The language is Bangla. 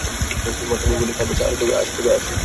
মাতঙ্গ কহিল, তা বেশ, আজ তবে আসি।